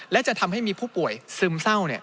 และจะทำให้มีผู้ป่วยซึมเศร้า